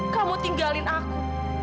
kamu tinggalin aku